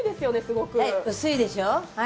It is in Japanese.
薄いでしょう。